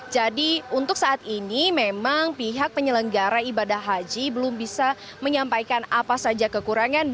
jadi untuk saat ini memang pihak penyelenggara ibadah haji belum bisa menyampaikan apa saja kekurangan